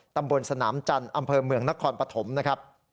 ตำบลสนามจันทร์อำเภอเมืองนครปฐมนะครับ